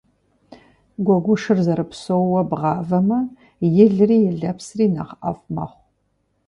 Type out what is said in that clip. Гуэгушыр зэрыпсоуэ бгъавэмэ, илри и лэпсри нэхъ ӏэфӏ мэхъу.